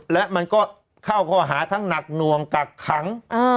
และมันก็เข้าข้อหาทั้งหนักหน่วงกักขัง